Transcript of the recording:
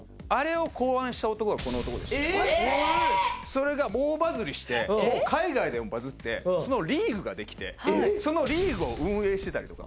それが猛バズりして海外でもバズってそのリーグができてそのリーグを運営してたりとか。